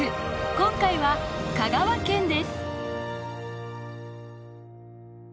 今回は香川県です。